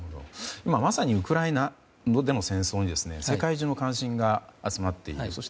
今まさにウクライナでの戦争に世界中の関心が集まっています。